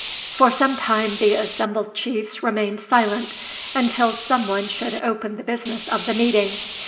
For some time the assembled Chiefs remained silent, until some one should open the business of the meeting.